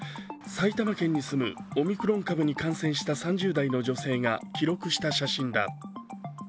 埼玉県に住むオミクロン株に感染した３０代の女性が記録した写真だ。